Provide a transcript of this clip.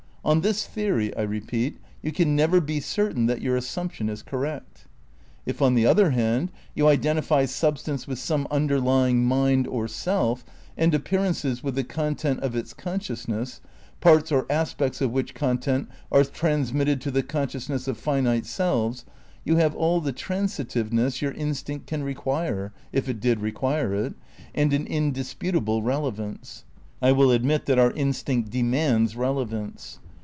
On this the ory — I repeat — ^you can never be certain that your assumption is correct. If on the other hand you identify substance with some underlying mind or self, and appearances with the con tent of its consciousness, parts or aspects of which content are transmitted to the consciousness of finite selves, you have all the transitiveness your instinct can require (if it did require it) and an indisputable rele vance (I will admit that our instinct demands rele vance.)